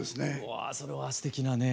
わあそれはすてきなね